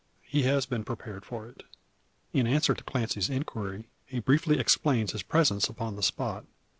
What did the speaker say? He has been prepared for it. In answer to Clancy's inquiry, he briefly explains his presence upon the spot.